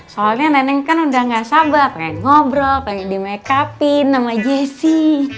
soalnya nenek kan udah gak sabar pengen ngobrol pengen di make up in sama jesse